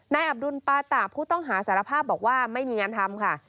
อับดุลปาตะผู้ต้องหาสารภาพบอกว่าไม่มีงานทำค่ะ